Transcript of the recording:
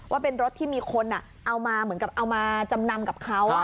ว่าเป็นรถที่มีคนเอามาจำนำกับเขา